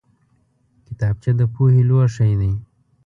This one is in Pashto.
کتابچه د پوهې لوښی دی